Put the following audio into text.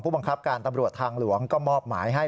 บังคับการตำรวจทางหลวงก็มอบหมายให้